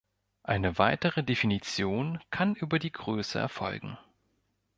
Eine weitere Definition kann über die Größe erfolgen.